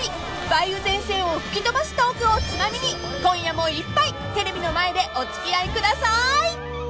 ［梅雨前線を吹き飛ばすトークをツマミに今夜も一杯テレビの前でお付き合いくださーい！］